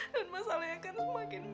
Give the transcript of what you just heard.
dan masalahnya akan semakin besar